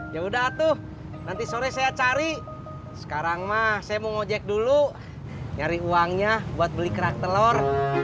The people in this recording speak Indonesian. ya udah tuh nanti sore saya cari sekarang mah saya mau ngejek dulu nyari uangnya buat beli kerak telur